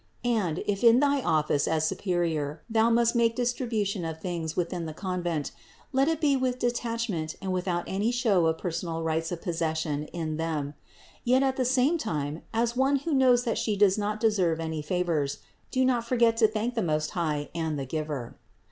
And, if in thy office as superior, thou must make distribution of things within the convent, let it be with detachment and without any show of personal rights of possession in them; yet at the same time, as one who knows that she does not deserve any favors, do not forget to thank the Most High and the giver.